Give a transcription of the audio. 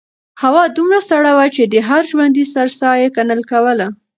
هوا دومره سړه وه چې د هر ژوندي سري ساه یې کنګل کوله.